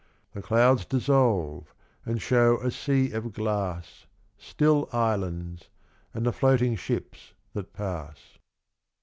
The clouds dissolve and show a sea of glass. Still islands, and the floating ships that pass.